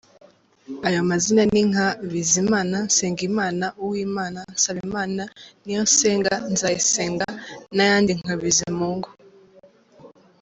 Ayo mazina ninka: Bizimana, Nsengimana, Uwimana, Nsabimana, Niyonsenga, Nzayisenga n’ayandi nka Bizimungu…